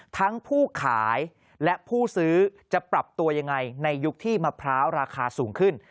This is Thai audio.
ทั้งผู้ขายและผู้ซื้อจะปรับตัวยังไงในยุคที่มะพร้าวราคาสูงขึ้น